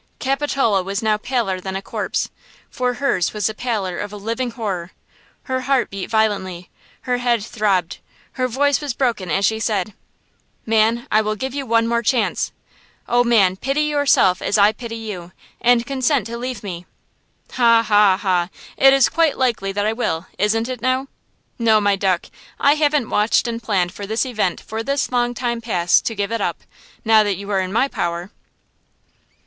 Capitola was now paler than a corpse, for hers was the pallor of a living horror! Her heart beat violently, her head throbbed, her voice was broken as she said; "Man, I will give you one more chance! Oh, man, pity yourself as I pity you, and consent to leave me!" "Ha, ha, ha! It is quite likely that I will! Isn't it, now? No, my duck, I haven't watched and planned for this chance for this long time past to give it up, now that you are in my power!